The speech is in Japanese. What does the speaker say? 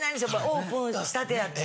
オープンしたてやって。